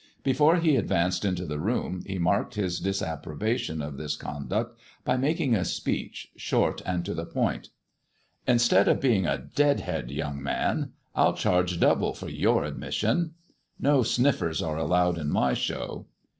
Before he advanced into the room he marked his disapprobation of this conduct by making a speech, short and to the point — '^Instead of being a deadhead, young man, I'll charge double for your admission. No sniffers are allowed in my show."